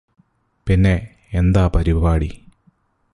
പിന്നെ, എന്താ പരിപാടി?